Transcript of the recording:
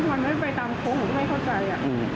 ทำไมมันไม่ได้ไปตามโค้งก็ไม่เข้าใจ